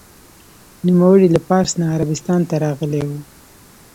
نوموړی له پارس نه عربستان ته راغلی و.